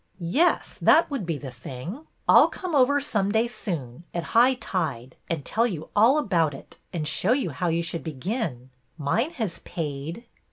Yes, that would be the thing. I 'll come over some day soon, at high tide, and tell you all about it and show you how you should begin. Mine has paid."